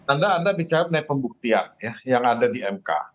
anda bicara mengenai pembuktian ya yang ada di mk